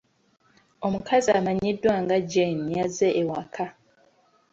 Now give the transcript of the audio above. Omukazi amanyiddwa nga Jane yazze ewaka.